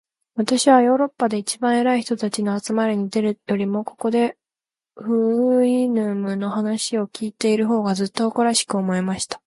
私はヨーロッパで一番偉い人たちの集まりに出るよりも、ここで、フウイヌムの話を開いている方が、ずっと誇らしく思えました。